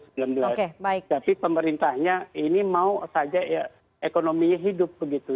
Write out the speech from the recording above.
tapi pemerintahnya ini mau saja ya ekonominya hidup begitu